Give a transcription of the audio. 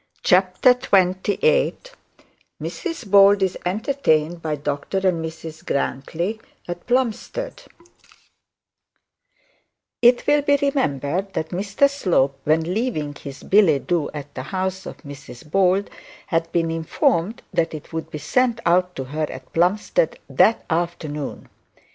CHAPTER XXVIII MRS BOLD IS ENTERTAINED BY DR AND MRS GRANTLY AT PLUMSTEAD It will be remembered that Mr Slope, when leaving his billet doux with Mrs Bold, had been informed that it would be sent out to her at Plumstead that afternoon.